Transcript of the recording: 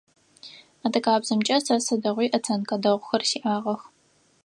Адыгэбзэмкӏэ сэ сыдигъуи оценкэ дэгъухэр сиӏагъэх.